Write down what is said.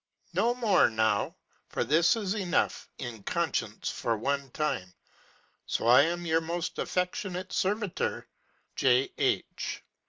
No more now, for this is enough in conscience for one time: so I amYour most affectionate servitor,J. H.